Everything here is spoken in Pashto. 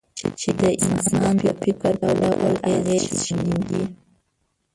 چې د انسان د فکر په ډول اغېز شیندي.